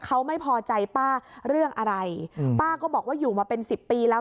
เขาไม่พอใจป้าเรื่องอะไรอืมป้าก็บอกว่าอยู่มาเป็นสิบปีแล้ว